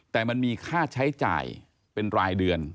แต่มันมีค่าใช้จ่ายเป็นรายเดือน